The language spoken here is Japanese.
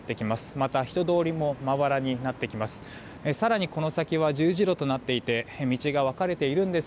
また人通りもまばらになってきます。